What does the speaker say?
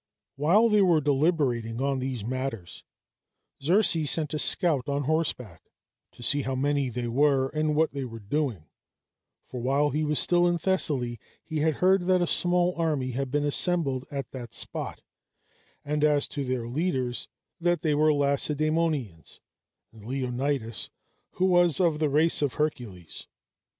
While they were deliberating on these matters, Xerxes sent a scout on horseback, to see how many they were and what they were doing; for while he was still in Thessaly, he had heard that a small army had been assembled at that spot, and as to their leaders, that they were Lacedæmonians, and Leonidas, who was of the race of Hercules.